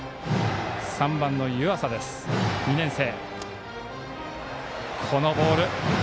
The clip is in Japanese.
３番の湯浅です、２年生。